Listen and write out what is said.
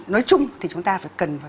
nói chung thì chúng ta phải cần